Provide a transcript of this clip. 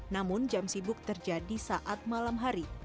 namun jam sibuk terjadi saat malam hari